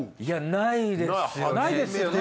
ないですよね。